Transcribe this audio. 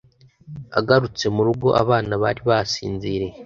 agarutse murugo, abana bari basinziriye